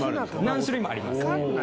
何種類もあります